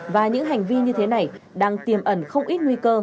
và những hành vi như thế này đang tiềm ẩn không ít nguy cơ